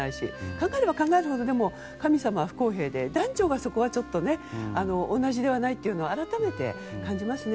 考えれば考えるほど神様は不公平で男女が、そこはちょっと同じではないというのは改めて感じますね。